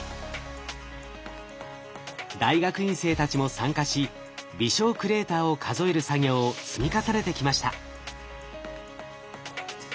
大学院生たちも参加し微小クレーターを数える作業を積み重ねてきました。